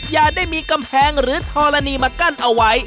อย่าได้มีกำแพงหรือธรณีมากั้นเอาไว้